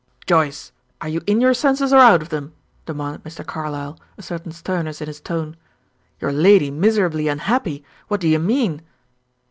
"Joyce, are you in your senses or out of them?" demanded Mr. Carlyle, a certain sternness in his tone. "Your lady miserably unhappy! What do you mean?"